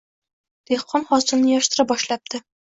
Dehqon hosilni yig’ishtira boshlabdi